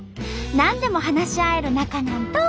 何でも話し合える仲なんと！